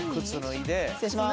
失礼しまーす。